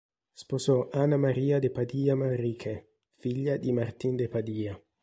Sposò Ana María de Padilla Manrique, figlia di Martín de Padilla.